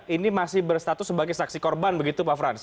ini masih berstatus sebagai saksi korban begitu pak frans